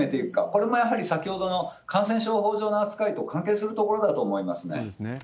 これもやはり先ほどの感染症法上の扱いと関係するところだと思いそうですね。